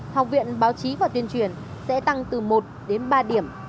học viện báo chí và tuyên truyền sẽ tăng từ một đến ba điểm